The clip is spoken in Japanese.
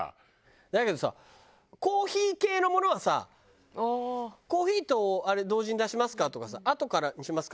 だけどさコーヒー系のものはさ「コーヒーとあれ同時に出しますか？」とかさ「あとからにしますか？